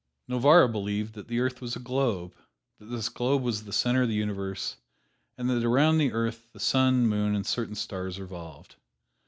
Novarra believed that the earth was a globe; that this globe was the center of the universe, and that around the earth the sun, moon and certain stars revolved.